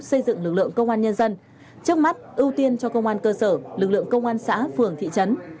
xây dựng lực lượng công an nhân dân trước mắt ưu tiên cho công an cơ sở lực lượng công an xã phường thị trấn